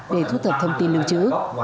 để thu thập thông tin lưu trữ